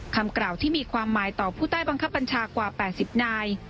คำกล่าวที่มีความหมายต่อผู้ใต้บังคับบัญชากว่า๘๐นาย